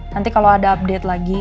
nanti kalau ada update lagi